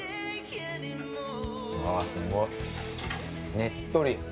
ねっとり。